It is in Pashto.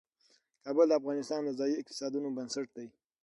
کابل د افغانستان د ځایي اقتصادونو بنسټ دی.